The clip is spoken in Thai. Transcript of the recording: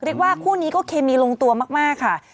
เรียกว่าคู่นี้ก็เคมีลงตัวมากค่ะ